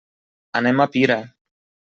Anem a Pira.